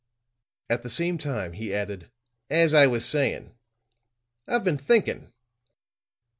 At the same time he added: "As I was saying, I've been thinking."